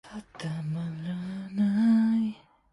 受氣候暖化影響珊瑚出現白化現象